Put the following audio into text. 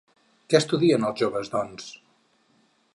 Què estudien els joves, doncs?